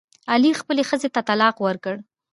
علي خپلې ښځې ته طلاق ورکړ.